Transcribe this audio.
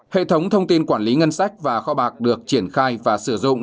hệ thống thông tin quản lý ngân sách và kho bạc được triển khai và sử dụng